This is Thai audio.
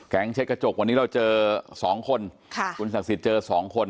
เช็คกระจกวันนี้เราเจอสองคนคุณศักดิ์สิทธิ์เจอสองคน